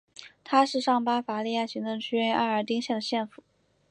它是上巴伐利亚行政区埃尔丁县的县府。